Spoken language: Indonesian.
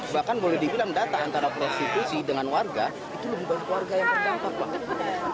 bahkan boleh dibilang data antara prostitusi dengan warga itu lebih banyak warga yang terdampak pak